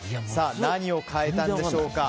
何を変えたんでしょうか。